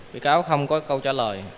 bị cáo không có câu trả lời